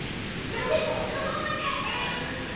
なべもおかまもない。